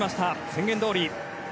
宣言どおり。